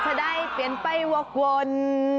จะได้เปลี่ยนไปวกวน